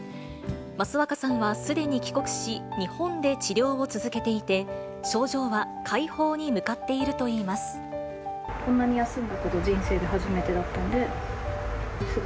益若さんはすでに帰国し、日本で治療を続けていて、症状は快方に向かっているといいます。